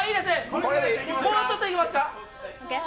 もうちょっといけますか？